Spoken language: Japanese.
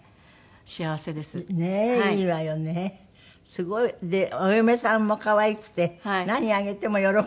すごい。お嫁さんも可愛くて何あげても喜ぶって。